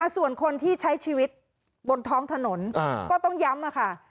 ส่วนคนที่ใช้ชีวิตบนท้องถนนก็ต้องย้ำค่ะ